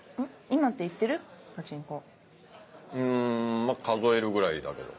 まぁ数えるぐらいだけど。